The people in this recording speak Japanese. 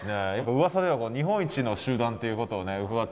うわさでは日本一の集団っていうことを伺ってますけども。